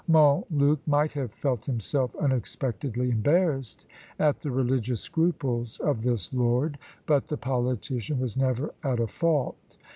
Montluc might have felt himself unexpectedly embarrassed at the religious scruples of this lord, but the politician was never at a fault.